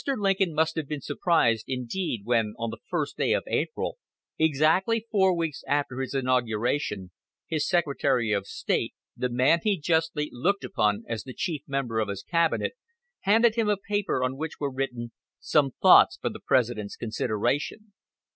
Lincoln must have been surprised indeed, when, on the first day of April, exactly four weeks after his inauguration, his Secretary of State, the man he justly looked upon as the chief member of his cabinet, handed him a paper on which were written "Some Thoughts for the President's Consideration."